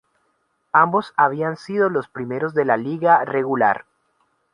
Ambos habían sido los primeros de la liga regular.